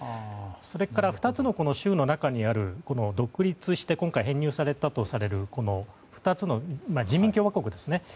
それから、２つの州の中にある独立して、今回編入されたとされる２つの人民共和国ですね。